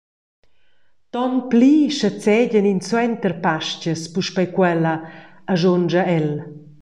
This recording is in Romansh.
Tonpli schazegien ins suenter Pastgas puspei quella, aschunscha el.